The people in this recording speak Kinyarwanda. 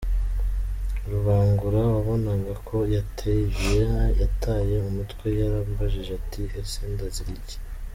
Rubangura wabonaga ko yataye umutwe yarambajije ati ese ndazira iki?